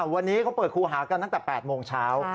วันนี้เขาเปิดครูหากันตั้งแต่๘โมงเช้า